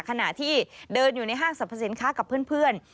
ขณะที่เดินอยู่ในห้างสรรพสินค้ากับเพื่อน